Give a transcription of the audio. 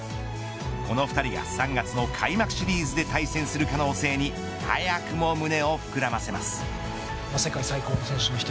この２人が３月の開幕シリーズで対戦する可能性に早くも胸を膨らませます。